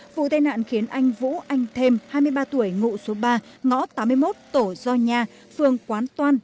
vụ tai nạn khiến anh vũ anh thêm hai mươi ba tuổi ngụ số ba ngõ tám mươi một tổ do nha phường quán toan